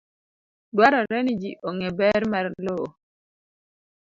Dwarore ni ji ong'e ber mar lowo.